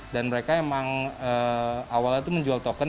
dan mereka emang awalnya itu menjual token